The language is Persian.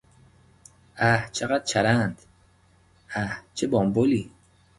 اه چقدر چرند!، اه چه بامبولی!